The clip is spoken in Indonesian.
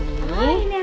ini anak anaknya